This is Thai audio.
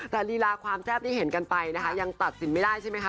แต่ลีลาความแซ่บที่เห็นกันไปนะคะยังตัดสินไม่ได้ใช่ไหมคะ